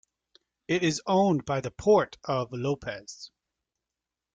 It is owned by the Port of Lopez.